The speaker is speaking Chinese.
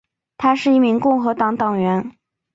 她是一名共和党党员。